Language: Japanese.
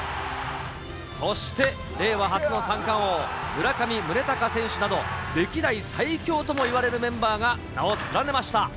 そして、令和初の三冠王、村上宗隆選手など、歴代最強ともいわれるメンバーが名を連ねました。